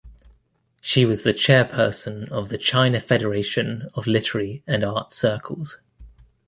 She was the chairperson of the China Federation of Literary and Art Circles.